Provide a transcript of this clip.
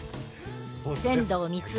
千堂光男。